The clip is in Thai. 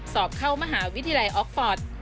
สอบเข้ามหาวิทยาลัยออกฟอร์ต